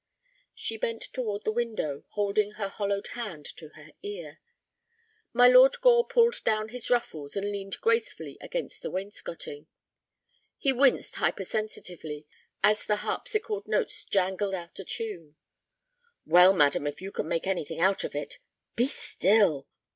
She bent toward the window, holding her hollowed hand to her ear. My Lord Gore pulled down his ruffles and leaned gracefully against the wainscoting. He winced hypersensitively as the harpsichord notes jangled out of tune. "Well, madam, if you can make anything out of it—" "Be still."